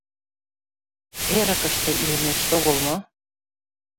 Эрыкыште илынешт огыл мо?..